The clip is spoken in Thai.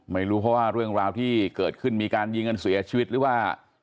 ไม่รู้เพราะว่าเรื่องราวที่เกิดขึ้นมีการยิงกันเสียชีวิตหรือว่า